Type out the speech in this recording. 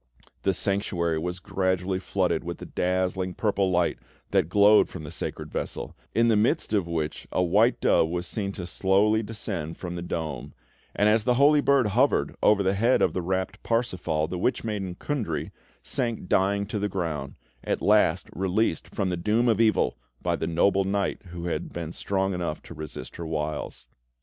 The Sanctuary was gradually flooded with the dazzling purple light that glowed from the sacred vessel, in the midst of which a white dove was seen to slowly descend from the dome; and as the holy bird hovered over the head of the rapt Parsifal, the witch maiden, Kundry, sank dying to the ground, at last released from the doom of evil by the noble knight who had been strong enough to resist her wiles.